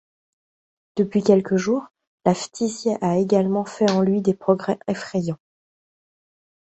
Depuis quelques jours, la phthisie a évidemment fait en lui des progrès effrayants.